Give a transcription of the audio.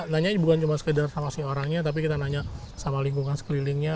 nanya bukan cuma sekedar sama si orangnya tapi kita nanya sama lingkungan sekelilingnya